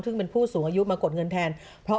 ซึ่งเป็นผู้สูงอายุมากดเงินแทน